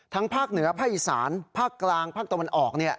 ภาคเหนือภาคอีสานภาคกลางภาคตะวันออก